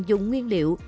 dùng nguyên liệu